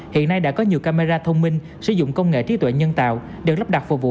hiện nay đã có nhiều camera thông minh sử dụng công nghệ trí tuệ nhân tạo được lắp đặt phục vụ